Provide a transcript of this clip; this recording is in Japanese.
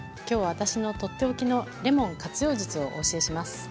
今日は私のとっておきのレモン活用術をお教えします。